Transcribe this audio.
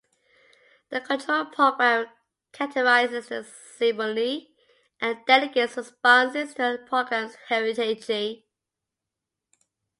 The control program categorizes stimuli and delegates responses to other programs in a hierarchy.